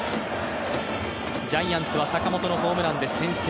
ジャイアンツは坂本のホームランで先制。